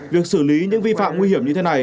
việc xử lý những vi phạm nguy hiểm như thế này